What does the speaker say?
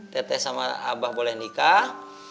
teh teh sama abah boleh nikah